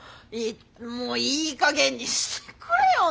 もういいかげんにしてくれよな。